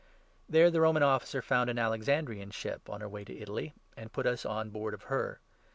There the Roman Officer 6 found an Alexandrian ship on her way to Italy, and put us on board of her.